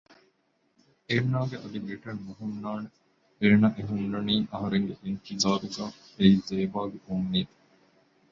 އޭނަގެ އަދި ބިޓެއް ނުހުންނާނެއޭނަ އެހުންނަނީ އަހަރެންގެ އިންތިޒާރުގައި އެއީ ޒޭބާގެ އުންމީދު